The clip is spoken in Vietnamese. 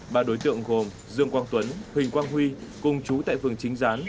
ba đối tượng gồm dương quang tuấn huỳnh quang huy cùng chú tại phường chính gián